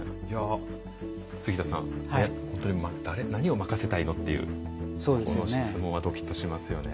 杉田さん何を任せたいの？っていうこの質問はドキッとしますよね。